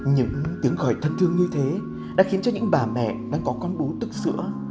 những tiếng khởi thân thương như thế đã khiến cho những bà mẹ đang có con bú tức sữa